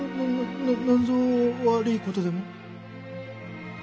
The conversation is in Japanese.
ななんぞ悪いことでも？